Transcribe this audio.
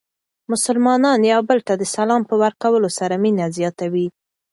مسلمانان یو بل ته د سلام په ورکولو سره مینه زیاتوي.